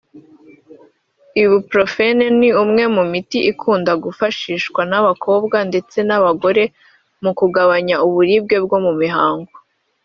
Ibuprofene ni umwe mu miti ikunda kwifashishwa n'abakobwa ndetse n'abagore mu kugabanya uburibwe bwo mu mihango